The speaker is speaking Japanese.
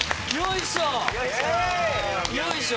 よいしょ！